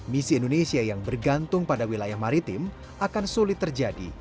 misi indonesia yang bergantung pada wilayah maritim akan sulit terjadi